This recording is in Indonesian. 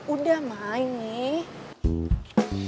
udah main nih